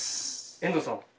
遠藤さん。